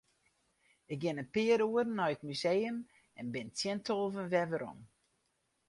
Ik gean in pear oeren nei it museum en bin tsjin tolven wer werom.